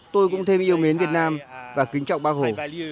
tôi cũng thêm yêu mến việt nam và kính trọng bác hồ